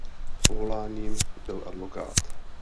Povoláním byl advokát.